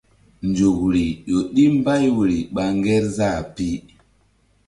Nzukri ƴo ɗi mbay woyri ɓa Ŋgerzah pi.